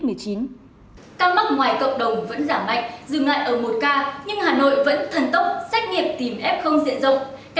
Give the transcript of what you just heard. các mắc ngoài cộng đồng vẫn giảm mạnh dừng lại ở một ca